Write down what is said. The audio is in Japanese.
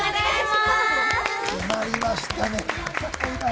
決まりましたね。